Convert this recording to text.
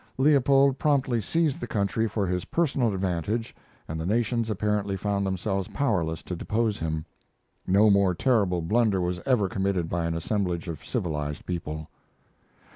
Leopold promptly seized the country for his personal advantage and the nations apparently found themselves powerless to depose him. No more terrible blunder was ever committed by an assemblage of civilized people.